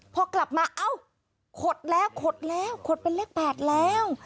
พอกลับมาเอ้าขดแล้วขดแล้วขดเป็นเลข๘แล้ว